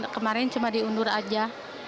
kemarin cuma diundur aja